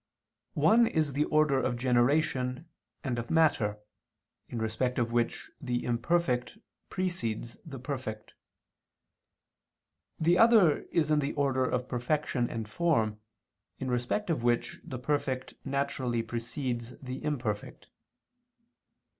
One is the order of generation and of matter, in respect of which the imperfect precedes the perfect: the other is the order of perfection and form, in respect of which the perfect naturally precedes the imperfect.